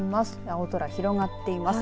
青空、広がっています。